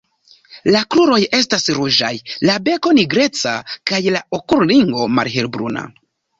La kruroj estas ruĝaj, la beko nigreca kaj la okulringo malhelbruna.